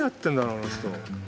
あの人。